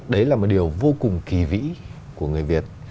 đấy là một điều vô cùng kỳ vĩ của người việt